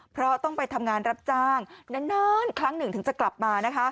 เพราะต้องไปทำงานรับจ้างนานครั้งหนึ่งถึงจะกลับมานะคะ